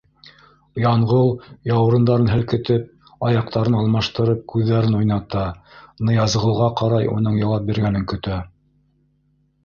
Янғол, яурындарын һелкетеп, аяҡтарын алмаштырып, күҙҙәрен уйната, Ныязғолға ҡарай, уның яуап биргәнен көтә.